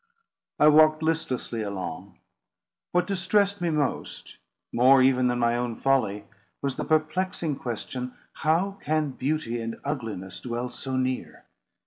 I walked listlessly along. What distressed me most—more even than my own folly—was the perplexing question, How can beauty and ugliness dwell so near?